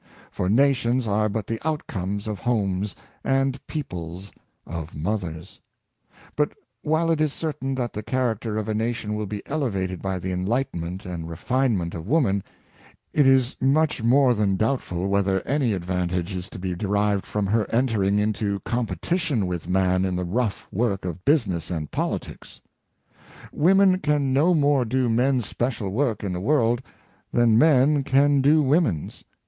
For nations are but the outcomes of homes, and peoples of mothers. Wovien and Work. 117 But while it is certain that the character of a nation will be elevated by the enlightenment and refinement of woman, it is much more than doubtful whether any ad vantage is to be derived from her entering into compe tition with man in the rough work of business and poli tics. Women can no more do men's special work in the world than men can do women's.